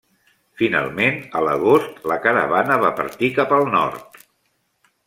Finalment, a l'agost la caravana va partir cap al nord.